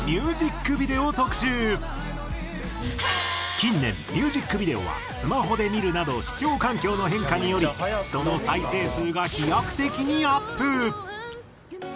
近年ミュージックビデオはスマホで見るなど視聴環境の変化によりその再生数が飛躍的にアップ！